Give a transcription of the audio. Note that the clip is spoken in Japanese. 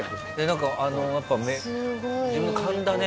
なんかあのやっぱ自分の勘だね。